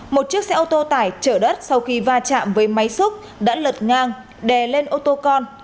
một chiếc xe ô tô tải chở đất sau khi va chạm với máy xúc đã lật ngang đè lên ô tô con